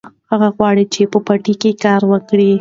هغه غواړي چې په پټي کې کار وکړي.